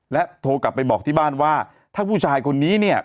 โทรกลับไปบอกที่บ้านว่าถ้าผู้ชายคนนี้เนี่ย